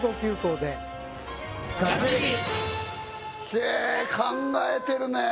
へえ考えてるね！